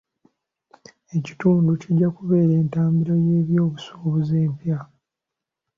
Ekitundu kijja kubeera entabiro y'ebyobusuubuzi empya.